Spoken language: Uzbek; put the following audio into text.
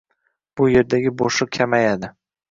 bu erdagi bo'shliq kamayadi